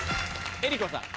江里子さん。